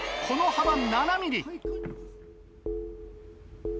この幅７ｍｍ。